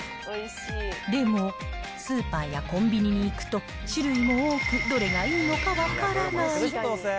でもスーパーやコンビニに行くと、種類も多く、どれがいいのか分からない。